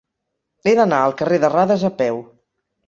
He d'anar al carrer de Radas a peu.